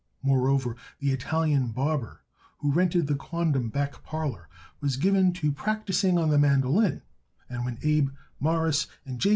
Moreover, the Italian barber who rented the quondam back parlor was given to practicing on the mandolin; and when Abe, Morris and J.